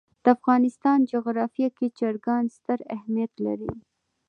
د افغانستان جغرافیه کې چرګان ستر اهمیت لري.